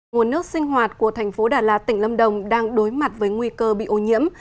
nguồn nước sinh hoạt của thành phố đà lạt tỉnh lâm đồng đang đối mặt với nguy cơ bị ô nhiễm